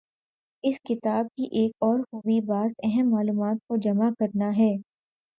اس کتاب کی ایک اور خوبی بعض اہم معلومات کو جمع کرنا ہے۔